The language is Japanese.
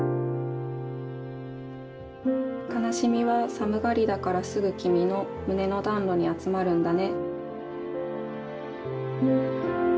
「かなしみは寒がりだからすぐきみの胸の暖炉に集まるんだね」。